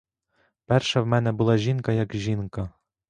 Перша в мене була жінка як жінка.